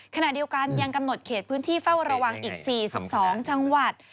ขณะเดียวกันยังกำหนดเขตพื้นที่เฝ้าระวังอีก๔๒จังหวัด